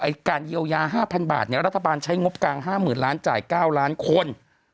การเยียวยา๕๐๐บาทเนี่ยรัฐบาลใช้งบกลาง๕๐๐๐ล้านจ่าย๙ล้านคน